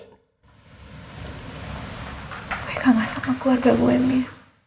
gue kagak sama keluarga gue mia